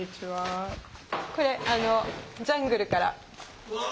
これジャングルから仏様用に。